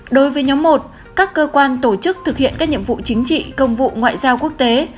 đối với nhóm một các cơ quan tổ chức thực hiện các nhiệm vụ chính trị công vụ ngoại giao quốc tế